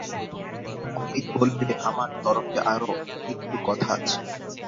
অমিত বললে, আমার তরফে আরো একটু কথা আছে।